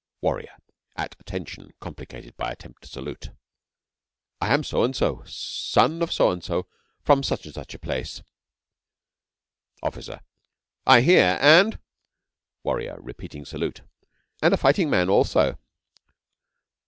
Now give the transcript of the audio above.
WARRIOR (at 'attention' complicated by attempt to salute). I am So and So, son of So and So, from such and such a place. OFFICER. I hear. And ...? WARRIOR (repeating salute). And a fighting man also.